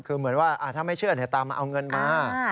คือเหมือนว่าถ้าไม่เชื่อเดี๋ยวตามมาเอาเงินมา